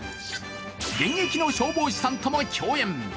現役の消防士さんとも共演。